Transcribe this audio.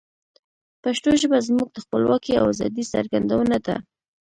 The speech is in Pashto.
پښتو ژبه زموږ د خپلواکۍ او آزادی څرګندونه ده.